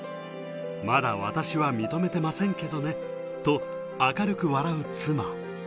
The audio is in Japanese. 「まだ私は認めてませんけどね」と明るく笑う妻